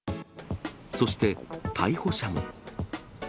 そして、逮捕者も。